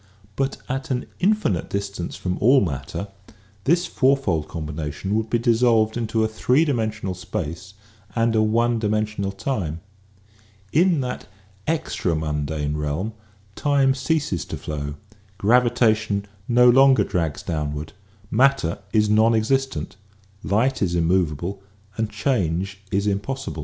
But at an infinite distance from all matter this fourfold combination would be dissolved into a three dimensional space and a one dimensional time, In that extra mundane realm time ceases to flow, gravi tation no longer drags downward, matter is non ex istent, light is immovable and change is impossible.